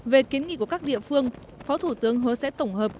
về kiến nghị của các địa phương phó thủ tướng hứa sẽ tổng hợp